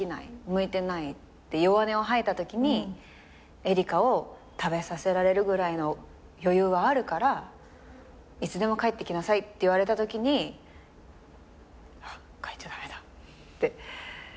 向いてないって弱音を吐いたときに「恵梨香を食べさせられるぐらいの余裕はあるからいつでも帰ってきなさい」って言われたときにハッ帰っちゃ駄目だって。